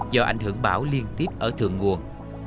do ảnh hưởng bão liên tiếp ở thượng nguồn